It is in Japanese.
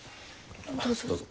どうぞ。